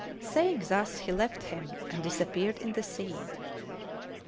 Saying thus he left him and disappeared in the sea.